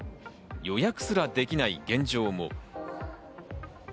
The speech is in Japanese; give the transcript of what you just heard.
予約すらできない現状も。